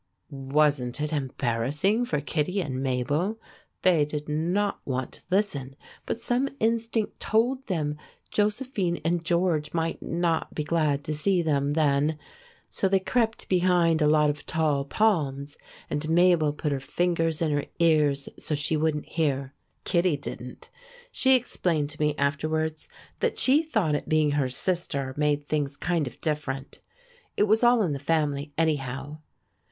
Wasn't it embarrassing for Kittie and Mabel? They did not want to listen, but some instinct told them Josephine and George might not be glad to see them then, so they crept behind a lot of tall palms, and Mabel put her fingers in her ears so she wouldn't hear. Kittie didn't. She explained to me afterwards that she thought it being her sister made things kind of different. It was all in the family, anyhow.